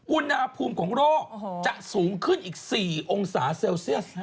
อุณหภูมิของโรคจะสูงขึ้นอีก๔องศาเซลเซียส